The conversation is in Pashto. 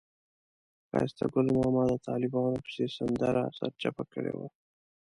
ښایسته ګل ماما د طالبانو پسې سندره سرچپه کړې وه.